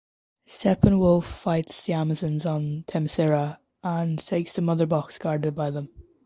Steppenwolf fights the Amazons on Themyscira and takes the Mother Box guarded by them.